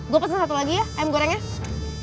gue pesen satu lagi ya ayam gorengnya